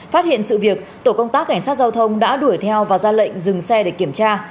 phát hiện sự việc tổ công tác cảnh sát giao thông đã đuổi theo và ra lệnh dừng xe để kiểm tra